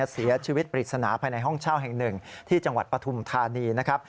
เสียชีวิตปริศนาภายในห้องเช่าแห่งหนึ่งที่จังหวัดปฐุมธานีนะครับ